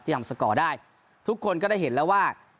ทำสกอร์ได้ทุกคนก็ได้เห็นแล้วว่า